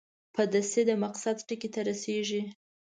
په دستي د مقصد ټکي ته رسېږي.